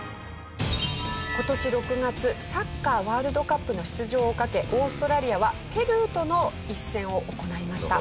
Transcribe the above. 今年６月サッカーワールドカップの出場をかけオーストラリアはペルーとの一戦を行いました。